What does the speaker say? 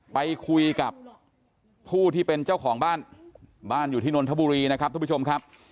ไปคุยกับผู้ที่เป็นเจ้าของบ้านบ้านอยู่ที่นนทบุรีนะครับทุกผู้ชมครับ